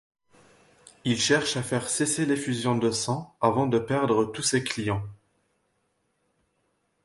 Il cherche à faire cesser l'effusion de sang avant de perdre tous ses clients.